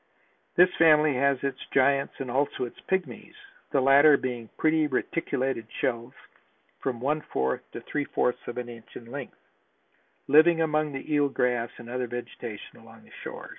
This family has its giants and also its pygmies, the latter being pretty, reticulated shells from one fourth to three fourths of an inch in length, living among the eel grass and other vegetation along the shore.